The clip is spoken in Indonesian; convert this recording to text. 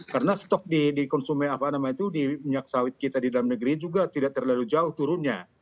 karena stok di konsumen minyak sawit kita di dalam negeri juga tidak terlalu jauh turunnya